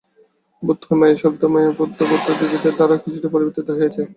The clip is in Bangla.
বোধ হয়, মায়া-শব্দ বা মায়াবাদ বৌদ্ধদিগের দ্বারাও কিছুটা পরিবর্তিত হইয়াছে।